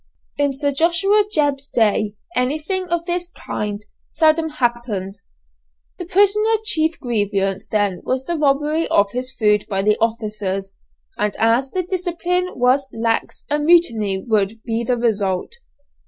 In Sir Joshua Jebb's day anything of this kind seldom happened. The prisoner's chief grievance then was the robbery of his food by the officers, and as the discipline was lax a mutiny would be the result.